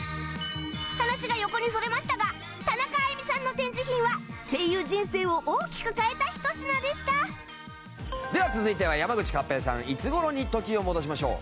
話が横にそれましたが田中あいみさんの展示品は声優人生を大きく変えたひと品でしたでは続いては山口勝平さんいつ頃に時を戻しましょう？